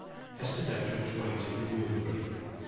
Hester Dethridge waited immovably.